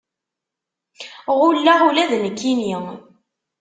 Ɣulleɣ ula d nekkinni.